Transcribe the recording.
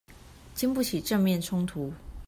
禁不起正面衝突